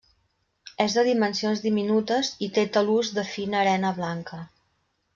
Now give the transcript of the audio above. És de dimensions diminutes i té talús de fina arena blanca.